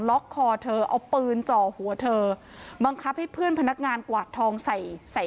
คอเธอเอาปืนจ่อหัวเธอบังคับให้เพื่อนพนักงานกวาดทองใส่ใส่